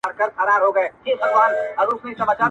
د خره مينه لغته وي.